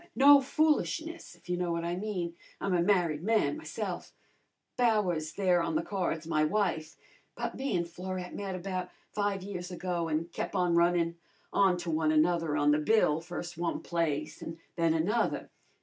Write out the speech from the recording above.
No foolishness, if you know what I mean. I'm a married man myse'f Bowers there on the card's my wife but me an' Florette met about five years ago, an' kep' on runnin' on to one another on the bill, first one place an' then another.